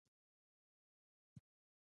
فلم د پلار شفقت بیانوي